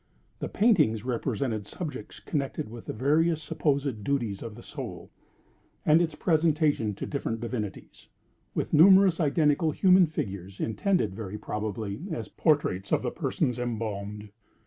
The paintings represented subjects connected with the various supposed duties of the soul, and its presentation to different divinities, with numerous identical human figures, intended, very probably, as portraits of the persons embalmed.